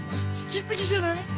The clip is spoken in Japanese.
好きすぎじゃない？